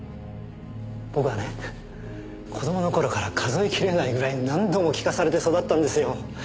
僕はね子供の頃から数え切れないぐらい何度も聞かされて育ったんですよ。